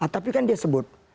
tapi kan dia sebut